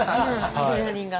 アドレナリンが。